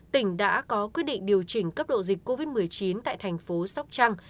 tỉnh đã có quyết định điều chỉnh cấp độ dịch covid một mươi chín tại thành phố sóc trăng